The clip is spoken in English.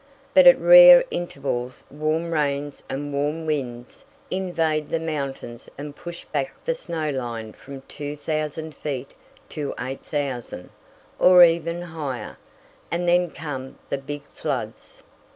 But at rare intervals warm rains and warm winds invade the mountains and push back the snow line from 2000 feet to 8000, or even higher, and then come the big floods.